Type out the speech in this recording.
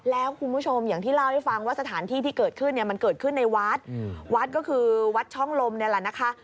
แล้วคุณผู้ชมอย่างที่เล่าให้ฟังว่าสถานที่ที่เกิดขึ้นเนี่ยมันเกิดขึ้นในวัดวัดก็คือวัดช่องลมเนี่ยแหละนะคะ